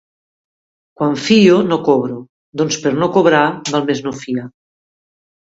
Quan fio, no cobro; doncs, per no cobrar, val més no fiar.